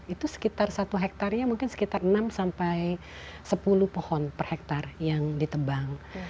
itu sekitar satu hektarnya mungkin sekitar enam sampai sepuluh pohon per hektare yang ditebang